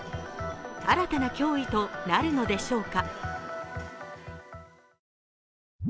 新たな脅威となるのでしょうか？